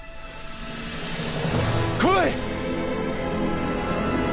来い！